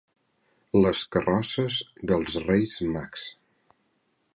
Les carrosses dels Reis Mags.